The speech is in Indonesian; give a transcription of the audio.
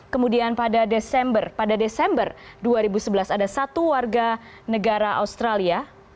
kemudian pada desember pada desember dua ribu sebelas ada satu warga negara australia